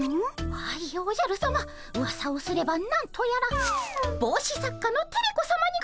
はいおじゃるさまうわさをすれば何とやらぼうし作家のテレ子さまにございます。